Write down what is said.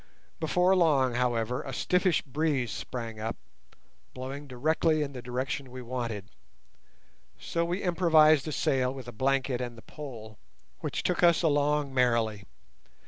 Before long, however, a stiffish breeze sprang up, blowing directly in the direction we wanted, so we improvised a sail with a blanket and the pole, which took us along merrily.